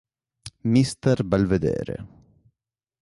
Mr. Belvedere